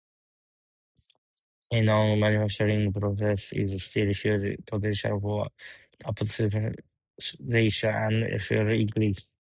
In non-manufacturing processes is still huge potential for optimization and efficiency increase.